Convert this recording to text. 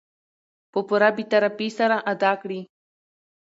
په پوره بې طرفي سره ادا کړي .